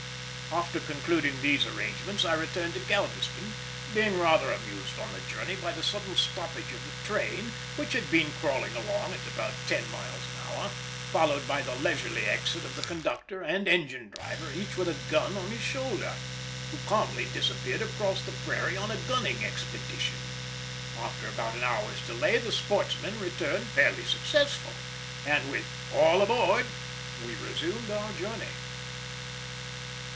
After concluding these arrangements I returned to Galveston, being rather amused on the journey by the sudden stoppage of the train, which had been crawling along at about ten miles an hour, followed by the leisurely exit of the conductor and engine driver each with a gun on his shoulder, who calmly disappeared across the prairie on a gunning expedition. After about an hour's delay the sportsmen returned fairly successful, and with "all aboard" we resumed our journey.